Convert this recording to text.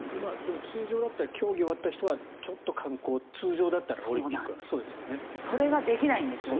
通常だったら競技が終わった人はちょっと観光通常だったらオリンピックはということですよね。